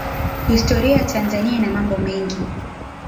Historia ya Tanzania ina mambo mengi